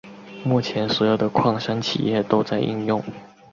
目前所有的矿山企业都在应用。